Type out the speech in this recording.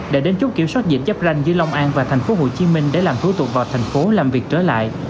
đã đến chút kiểm soát dịch chấp ranh dưới long an và tp hcm để làm thủ tục vào thành phố làm việc trở lại